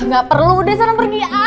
gak perlu udah sana pergi